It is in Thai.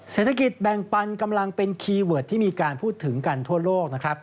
เศรษฐกิจแบ่งปันกำลังเป็นคีย์เวิร์ดที่มีการพูดถึงกันทั่วโลกนะครับ